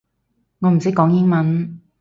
我唔識講英文